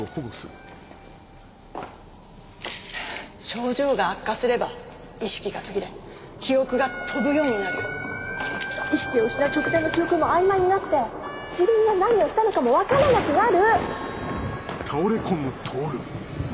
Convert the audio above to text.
症状が悪化すれば意識が途切れ記憶が飛ぶようになる意識を失う直前の記憶も曖昧になって自分が何をしたのかも分からなくなる！